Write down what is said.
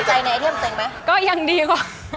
ตัวใจในไอเดียมเต็มก็ยังดีกว่า